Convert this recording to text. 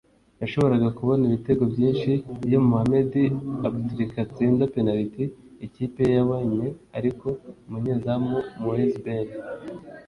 yashoboraga kubona ibitego byinshi iyo Mohamed Aboutrika atsinda penaliti ikipe ye yabonye ariko umunyezamu Moez Ben Cherifia ayikuramo